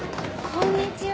こんにちは。